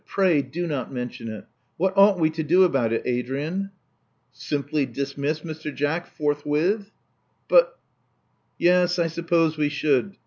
Pray do not mention it. What ought we to do about it, Adrian?" Simply dismiss Mr. Jack forthwith?" But Yes, I suppose we should.